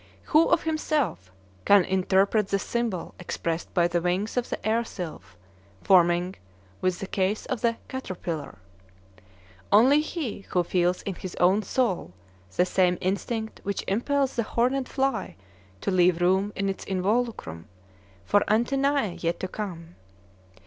"Who, of himself, can interpret the symbol expressed by the wings of the air sylph forming within the case of the caterpillar? Only he who feels in his own soul the same instinct which impels the horned fly to leave room in its involucrum for antennae yet to come."